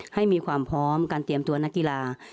ให้มีความพร้อมการเตรียมตัวนักกีฬา